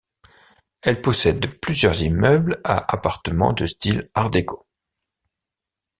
Elle possède plusieurs immeubles à appartements de style Art déco.